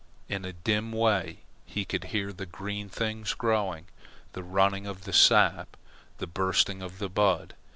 In a dim way he could hear the green things growing, the running of the sap, the bursting of the bud.